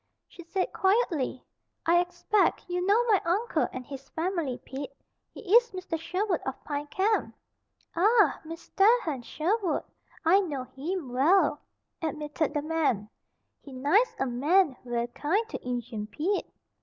She said, quietly: "I expect you know my uncle and his family, Pete. He is Mr. Sherwood of Pine Camp." "Ah! Mis tair Hen Sherwood! I know heem well," admitted the man. "He nice a man ver' kind to Injun Pete."